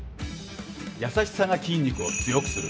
優しさが筋肉を強くする！